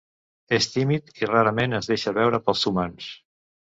És tímid i rarament es deixa veure pels humans.